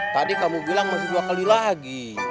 tadi kamu bilang masih dua kali lagi